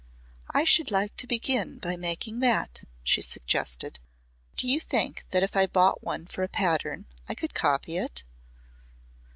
"I should like to begin by making that," she suggested. "Do you think that if I bought one for a pattern I could copy it?"